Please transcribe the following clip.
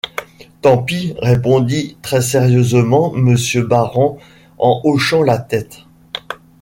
Tant pis, répondit très sérieusement Monsieur Barrand en hochant la tête.